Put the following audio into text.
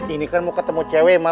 ini kan mau ketemu cewe mak